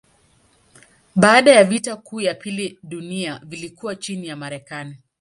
Baada ya vita kuu ya pili ya dunia vilikuwa chini ya Marekani.